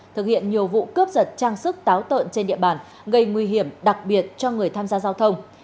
thực hiện nhiều vụ cướp giật trang sức táo tợn trên địa bàn gây nguy hiểm đặc biệt cho người tham gia giao thông